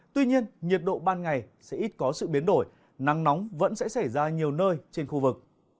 tuy nhiên nhiệt độ ban ngày sẽ ít có sự biến đổi nắng nóng vẫn sẽ xảy ra nhiều nơi trên khu vực